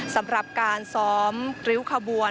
สำหรับการซ้อมริ้วขบวน